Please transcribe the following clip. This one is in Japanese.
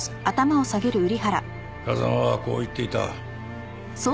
風間はこう言っていた。